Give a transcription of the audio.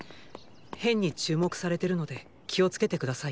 変に注目されてるので気をつけて下さいね。